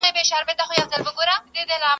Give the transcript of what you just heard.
اقتصاد ته سختي ضربي واردي سوي.